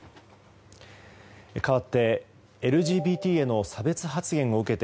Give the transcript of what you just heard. かわってＬＧＢＴへ差別発言を受けて